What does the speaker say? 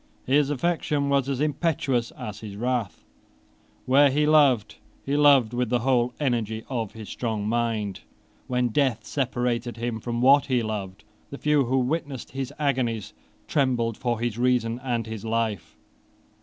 His affection was as impetuous as his wrath. Where he loved, he loved with the whole energy of his strong mind. When death separated him from what he loved, the few who witnessed his agonies trembled for his reason and his life.